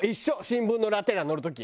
新聞のラテ欄載る時。